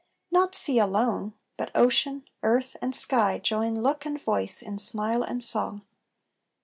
Not sea alone, But ocean, earth, and sky join look and voice In smile and song.